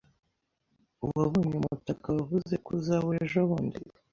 Wabonye umutaka wavuze ko uzabura ejobundi?